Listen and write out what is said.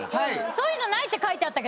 そういうのないって書いてあったけど。